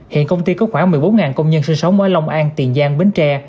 hiện công ty có khoảng một mươi bốn công nhân sinh sống ở long an tiền giang bến tre